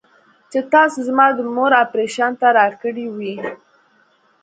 چې تاسو زما د مور اپرېشن ته راکړې وې.